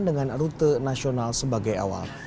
dengan rute nasional sebagai awal